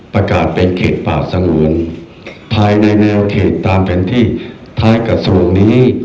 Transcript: ประกาศเป็นเขตป่าสงวนภายในแนวเขตตามแผนที่ท้ายกระทรวงนี้